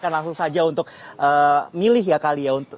akan langsung saja untuk milih ya kali ya